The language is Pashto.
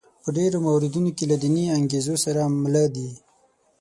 په ډېرو موردونو کې له دیني انګېزو سره مله دي.